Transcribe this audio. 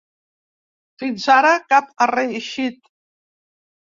Fins ara, cap ha reeixit.